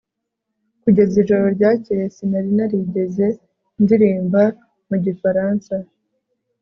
Kugeza ijoro ryakeye sinari narigeze ndirimba mu gifaransa